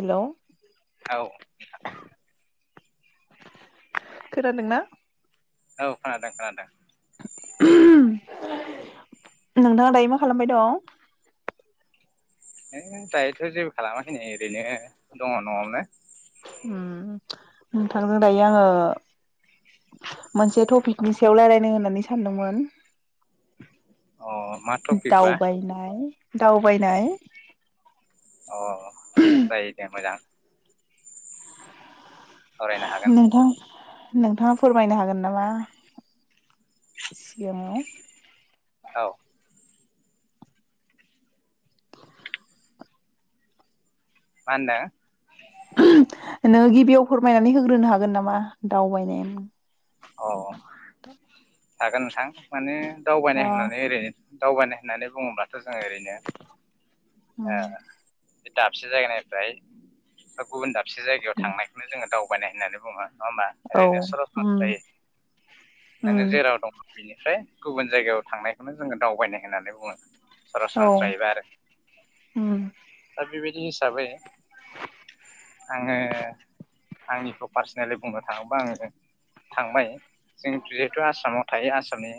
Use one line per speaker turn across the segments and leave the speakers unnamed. Hello
औ
खोनादोंना
औ खोनादों खोनादों
नोंथाङा दायो मा खालामबाय दं
है दायोथ' जेबो खालामाखै नै ओरैनो दङ न'आवनो
नोंथांजों दायो आङो मोनसे टपिकनि सायाव रायलायनो होननानै सानदोंमोन
अ मा टपिकबा
दाउबायनाय दावबायनाय
अ जायो दे मोजां सावरायनो हागोन
नोंथां नोंथाङा फोरमायनो हागोन नामा सिगाङाव
औ मा होनदों
नों गिबियाव फोरमायनानै होग्रोनो हागोन नामा दावबायनाया
औ हागोन नोंथां माने दावबायनाय
अ
होननानै ओरैनो दावबायनाय होननानै बुङोब्लाथ' जों ओरैनो बे
उम
ओ दाबसे जायगानिफ्राय गुबुन दाबसे दाबसे जायगायाव थांनायखौनो जोङो दावबाय दावबायनाय होननानै बुङो नङा होमबा
औ
ओरैनोथ'
उम
ओमफ्राय नोङो
उम
जेराव [unintelligible] ओमफ्राय गुबुन जायगायाव थांनायखौनो जोङो दावबायनाय होननानै बुङो
औ
सरासनस्रायै बा आरो
उम
दा बेबायदि हिसाबै आङो आंनिखौ पार्सनेलि बुंनो थाङोबा आङो थांबाय जों जिहेतु आसामाव थायो आसामनि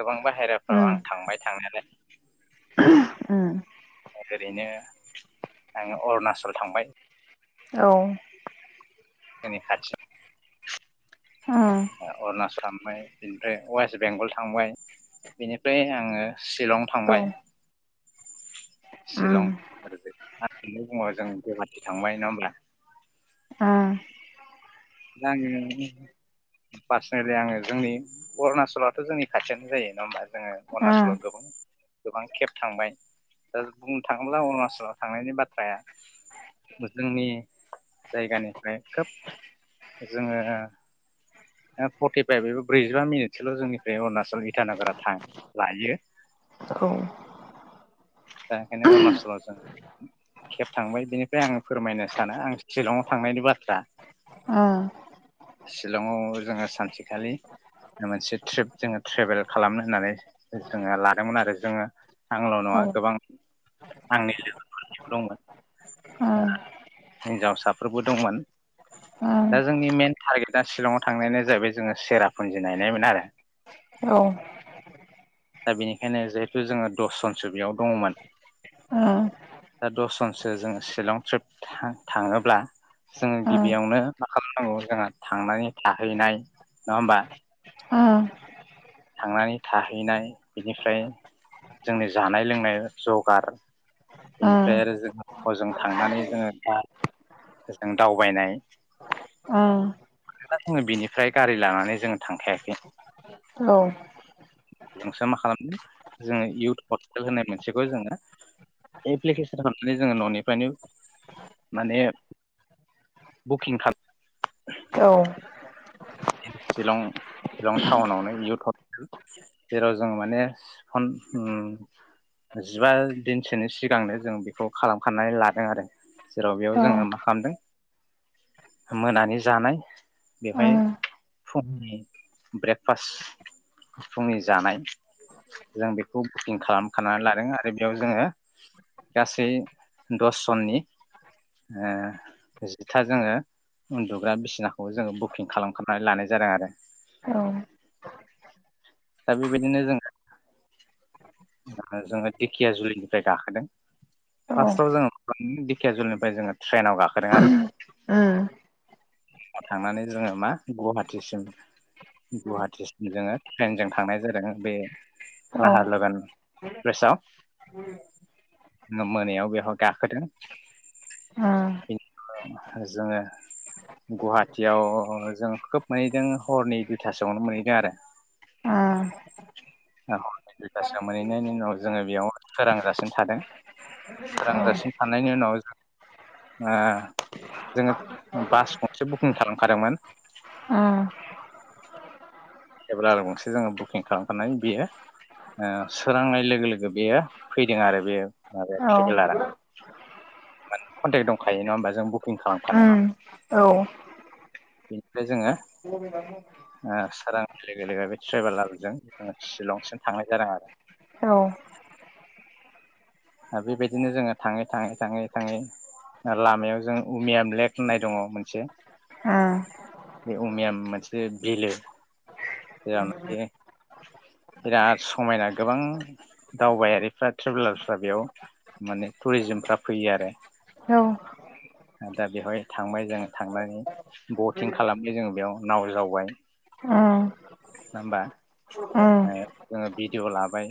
गोबां बाहेराफ्राव
उम
आं थांबाय थांनायालाय [inaudible]
[unintelligible]
ओरैनो आङो अरुणाचल थांबाय
औ
[unintelligible]
उम
अरणचल थांबाय बिनिफ्राय वेस्ट बेंगल थांबाय बिनिफ्राय आङो शिलं
औ उम
थांबाय शिलं आरो बेनि उनाव जों गुवाहाटि थांबाय नङा होनबा [unintelligible]
ओम
[unintelligible] पार्सनेलि आङो जोंनि अरुणाचलाथ' जोंनि खाथियानो जायो नङा होमबा जोङो अरुणचलाव
औ
गोबां गोबां खेब थांबाय दा बुंनो थां थांब्ला अरुणाचलाव थांनायनि बाथ्राया जोंनि जायगानिफ्राय खोब जोङो फर्रटिफाइभ बे ब्रैजिबा मिनिटसोल' जोंनिफ्राय अरुणाचला इटानगोरा थां लायो दा ओंखायनो अरुणचलाव जों खेब थांबाय बिनिफ्राय आं फोरमायनो सानो आं शिलंआव थांनायनि बाथ्रा
ओम
शिलं जोङो सानसेखालि मोनसे ट्रिप जोङो ट्रेभेल खालामनो होननानै जोङो लादोंमोन आरो जोङो आंल'
औ
नङा गोबां आंनि लोगोफोरबो दंमोन
ओम
हिनजावसाफोरबो दंमोन दा
आंबो
जोंनि मेन टारगेटआ शिलङाव थांनायानो जाहैबाय जोङो सेरापुन्जि नायनायमोन आरो
औ
दा बेनिखायनो जिहेथु जोङो दसजनसो बेयाव दङमोन दा दसजनसो जोङो शिलं ट्रिप थाङोब्ला जोङो गिबियावनो मा खालामनांगौ जोंहा थांनानै थाहैनाय नङा होमबा थांनानै थाहैनाय बिनिफ्राय जोंनि जानाय लोंनाय जगार बेनिफ्राइ आरो जोंहा हजों थांनानै जोङो जों दावबायनाय मानो होनोबा जोङो बिनिफ्राय गारि लानानै जोङो थांखायाखै।
औ।
नोंसो मा खालामदों जोङो इउथ पर्टेल होननाय मोनसेखौ जोङो एप्लिकेसन खालामनानै जोङो न'निफ्रायनो माने बुकिं खालाम
औ।
सिलं सिलं टाउनावनो इउथ हटेल जेराव जों माने हन उम जिबा दिनसोनि सिगांनो जों बेखौ खालामखानानै लादों आरो जेराव बेयाव जोङो मा खालामदों मोनानि जानाय बेवहाय फुंनि ब्रेकफास्ट फुंनि जानाय जों बेखौ बुकिं खालामखानानै लादों आरो बेयाव जोङो गासै दसजननि जिथा जोङो उन्दुग्रा बिसिनाखौ जोङो बुकिं खालाम खानानै लानाय जादों आरो दा बेबायदिनो जोङो जोङो दिकेयाजुलिनिफ्राय गाखोदों फार्स्टआव जोङो मा खालाम दिधेखिया जुलिनिफ्राय जोङो ट्रेनाव गाखोदों आरो। थांनानै जोङो मा गुवाहाटिसिम गुवाहाटिसिम जोङो ट्रेनजों थांनाय जादों बे नाहार लगोन एक्सप्रेसाव मोनायाव बेहाय गाखोदों बेनि उनाव जोङो। गुवाहाटियाव जों खोब मोनहैदों हरनि दुइथासोआवनो मोनहैदों आरो। ओ हरनि दुइथासो मोनहैनायनि उनाव जोङो बेयाव सोरांजासिन थादों सोरांजासिन थानायनि उनाव जों ओ जोङो बास गंसे बुकिं खालामखादोंमोन। ट्रेभेलार गंसे जोङो बुकिं खालामखानाय बियो सोरांनाय लोगो लोगो बेयो फैदों आरो बेयो मा बे ट्रेभेलार माने कन्टेक् दंखायो नङा होमबा जों बु
उम औ।
बेनिफ्राय जोङो ओ सारांनाय लोगो लोगो बे ट्रेभेलारजों जोङो सिलंसिम थांनाय जादों आरो ओ बेबायदिनो जोङो थाङै थाङै थाङै थाङै लामायाव जों उमियाम लेक होननाय दङ मोनसे बे उमियाम मोनसे बिलो जेरावनाखि बिराद समायना गोबां दावबायारिफ्रा ट्रेभेलार फ्रा बेयाव माने टुरिजिमफ्रा फैयो आरो
औ।
दा बेवहाय थांबाय जों थांनानै बटिं खालामबाय जोंङो बेयाव नाव जावबाय नङा होमबा? ओ ओब। भिडिअ' लाबाय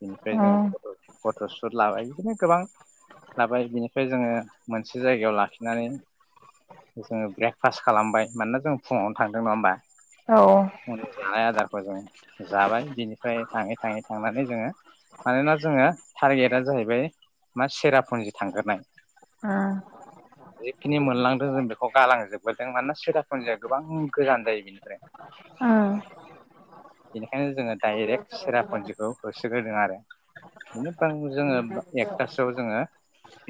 बिनिफ्राय जोङो फट' फट'सुट लाबाय बिदिनो गोबां लाबाय बिनिफ्राय जोङो मोनसे जायगायाव ला खिनानै जोङो ब्रेकफास्ट खालामबाय मानोना जों फुङावनो थांदों नङा होमबा फुंनि जानाय आदार खौ जों जाबाय बिनिफ्राय थाङै थाङै थांनानै जोङो मानोना जोङो टारगेटआ जाहैबाय मा सेरापुन्जि थांग्रोनाय जिखिनि मोनलांदों जों बेखौ गालांजोबग्रोदों मानोना सेरापुन्जिया गोबां गोजान जायो बेनिफ्राय बेनिखायनो जोङो डायरेक्ट सेरापुन्जिखौ होसोग्रोदों आरो बेनि जोङो एकथासोआव जोङो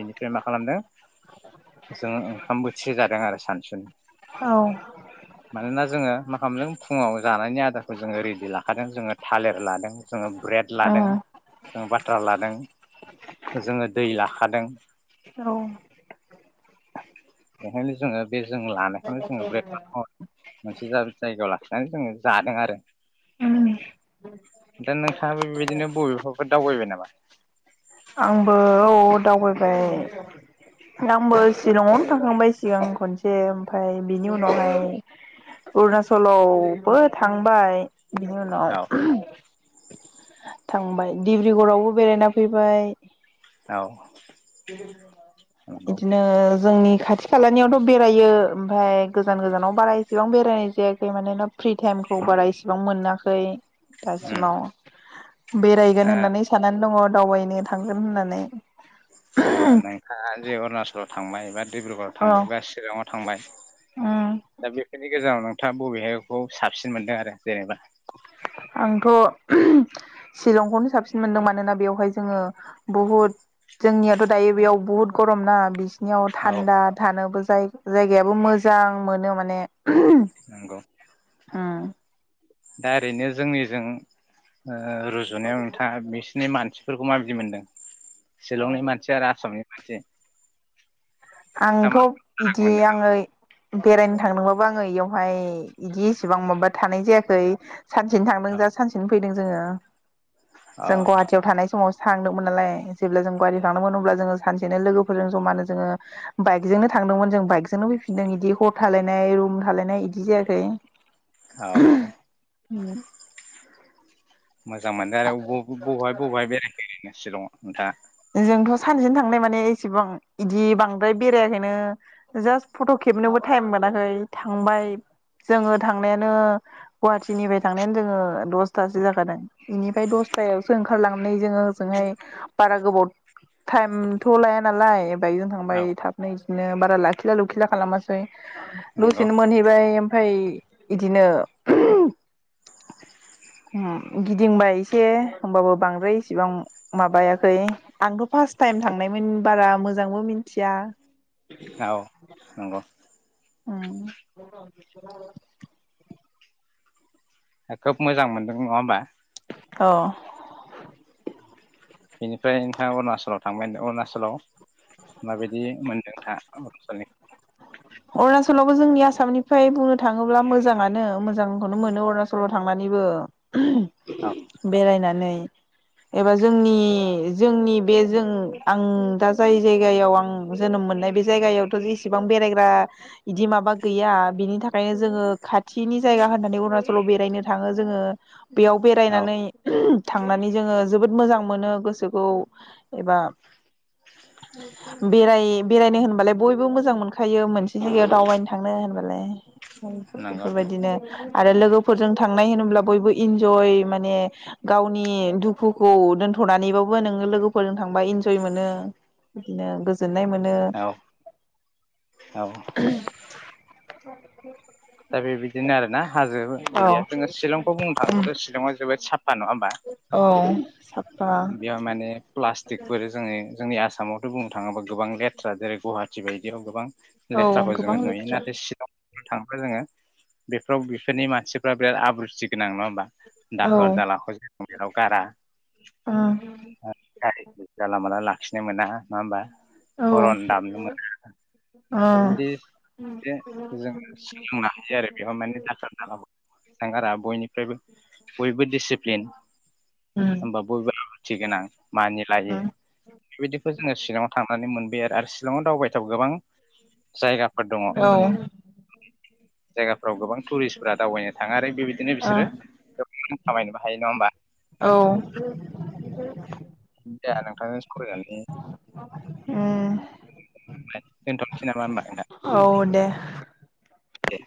बेनिफ्राय मा खालामदों जोङो ओंखाम बोथिसे जादों आरो सानसुनि मानोना जोङो मा खालामदों फुङाव जानायनि आदारखौ जोङो रेडि लाखादों जोङो थालिर लादों जोङो ब्रेड लादों जों बाटार लादों जोङो दै लाखादों ओंखायनो जोङो बे जों लानायखौनो जोङो ब्रेकपास महरै मोनसे जायगायाव लाखिनानै जोङो जादों आरो दा नोंथाङाबो बेबायदिनो बबेबाफोर दावबायबाय नामा?
आंबो औ दावबायबाय आंबो सिलंआवनो थांखांबाय सिगां खनसे। ओमफाय बिनि
औ
उनावहाय अरुनाचलावबो थांबाय। बिनि उनाव
औ
थांबाय डिब्रिगड़आवबो बेरायना फैबाय। बाय
औ। नंगौ
बिदिनो जोंनि खाथि खालानियावथ' बेरायो ओमफाय गोजान गोजानाव बारा इसेबां बेरायनाय जायाखै मानोना फ्रि टाइमखौ बारा इसिबां मोनाखै।
उम
दासिमाव बेरायगोन
ओ
होननानै साननानै दङ दावबायनो थांगोन होननानै
ओ नोंथाङा जे अरुणाचलाव थांबाय बा ड्रिब्रगरङाव
औ
थांबायबा शिलंङाव थांबाय
उम
दा बेखिनि गोजानाव नोंथाङा बबेहायखौ साबसिन मोनदों आरो जेनेबा
आंथ' शिलंखौनो साबसिन मोनदों मानोना बेवहाय जोङो बुहुद जोंनियाथ' दायो बेयाव बुहुत ग'रम ना बिसिनियाव
औ
थान्दा थानोबो जाय जायगायाबो मोजां मोनो माने
नंगौ
उम
दा ओरैनो जोंनिजों ओ ओ रुजुनायाव नोंथाङा बिसिनि मानसि फोरखौ माबायदि मोनदों शिलंनि मानसि आरो आसामनि [inaudible] नोंथाङा
आंथ'
मा राग
बिदि
मोनदों
आङो बेरायनो थांदोंबाबो आङो बेयावहाय बिदि इसिबां माबा थानाय जायाखै सानसेनो थांदों
औ
जा सानसेनो फैदों जोङो
औ
जों गुवाहाटियाव थानाय समाव थांदोंमोन नालाय जेब्ला जों गारिजों थांदोंमोन अब्ला जोङो सानसेनो लोगोफोरजों ज'मानो जोङो बाइकजोंनो थांदोंमोन जों बाइकजोंनो फैफिनदों बिदि हर थालायनाय रुम थालायनाय बिदि जायाखै
औ औ
उम
मोजां मोनदों आरोबाव बबेहाय बबेहाय बेरायखो नोङो शिलंआव नोंथाङा
जोंथ' सानसेनि थां थांनाय माने इसेबां बिदि बांद्राय बेरायाखैनो जास फट' खेबनोबो टाइम मोनाखै थांबाय जोङो थांनायानो गुवाहटिनिफ्राय थांनायानो जोङो दसथासो जाखादों बेनिफ्राय दसतायावसो ओंखारलांनानै जोङो होजोंहाय बारा गोबाव टाइमथ' लाया नालाय बाइकजों थांबाय
औ
थाबनै बिनो बारा लाखिला लुखिला खालामासै
नंगौ
द'सेनो मोनहैबाय ओमफ्राय बिदिनो उम गिदिंबाय एसे होबाबो बांद्राय इसिबां माबायाखै आंथ' फार्स्ट टाइम थांनायमोन बारा मोजांबो मिथिया
औ नंगौ
उम
ओ खोब मोजां मोनदों नङा होमबा
अ'
बेनिफ्राय नोंथाङा अरुणाचलाव थांबाय अरुणाचलाव माबायदि मोनदों नोंथाङा अरुणचलनि
अरुणासलावबो जोंनि आसामनिफ्राय बुंनो थाङोब्ला मोजाङानो मोजांखौनो मोनो अरुणाचलाव थांनानैबो
औ
बेरायनानै एबा जोंनि जोंनि बे जों आं दा जाय जायगायाव आं जोनोम मोननाय बे जायगायावथ' एसेबां बेरायग बा बिदि माबा गैया बिनि थाखायनो जोङो खाथिनि जायगा होननानै अरुणचलाव बेरायनो थाङो जोङो बेयाव
औ
बेरायनानै थांनानै जोङो जोबोद मोजां मोनो गोसोखौ एबा बेराय बेरायनो होनबालाय बयबो मोजां मोनखा खायो मोनसे जायगायाव दावबायनो थांनो होनबालाय
नंगौ नंगौ
बेफोरबायदिनो आरो लोगोफोरजों थांनाय होनोब्ला बयबो इन्जय माने गावनि दुखुखौ दोनथ'नानैबाबो नोङो लोगोफोरजों थांबा इन्जय मोनो बिदिनो गोज गोजोननाय मोनो
औ औ
[unintelligible]
दा बेबायदिनो आरो ना हाजो एरिया जोङो शिलंखौ बुंनो थाङोब्लाथ' शलंआ जोबोद साब
औ साफा
बेयाव माने प्लास्टिकफोर जोङो जोंनि आसामावथ' बुंनो थाङोबा गोबां लेथ्रा जेरै गुवाहाटि बायदियाव गोबां
औ
लेथ्राखौ
गोबां
जोङो नुयो
लेथ्रा
नाथाय सिलंआव भुतानखौ जोङो बेफोराव बेफोरनि मानसिफ्रा बिराद आब्रुथि गोनां नङा होमबा
औ
दाखोर दालाखौ जेराव मेराव गारा
उम
[unintelligible] गारि जाला माला लाखिनो मोना नङा होमबा
औ
हर'न दामनो मोना दा
उम
बिदि जों सोलोंनो हायो आरो बेयाव माने दाखोर दालाखौ थांगारा बयनिफ्रायबो बयबो डिसिप्लिन
उम
होमबा बयबो आब्रुथि गोनां मानिलायो
उम
बेबायदिखौ जोङो सिलङाव थांनानै मोन बे आरो सिलङाव दावबायथाव गोबां जायगा
औ
जायगाफ्राव गोबां टुरिस्टफोरा दावबायनो थाङो आरो बिबायदिनो बिसोरो ओ बि खामायनोबो हायो नङा होमबा?
औ
दे नोंथांजों सावरायनानै
उम
[unintelligible] दोनथ'सै नामा होनोमबा नोंथा
औ दे
दे।